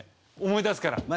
思い出すから。